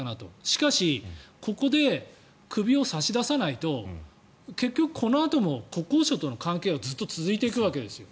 しかし、ここで首を差し出さないと結局、このあとも国交省との関係はずっと続いていくわけですよ。